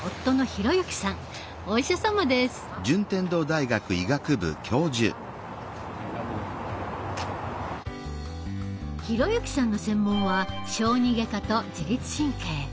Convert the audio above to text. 弘幸さんの専門は小児外科と自律神経。